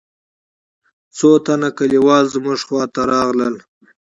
څو تنه كليوال زموږ خوا ته راغلل.